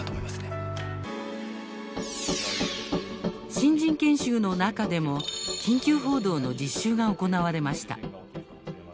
新人研修の中でも緊急報道の実習が行われました。